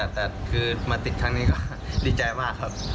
แต่คือมาติดครั้งนี้ก็ดีใจมากครับ